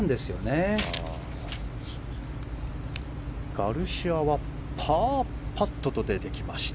ガルシアはパーパットと出てきました。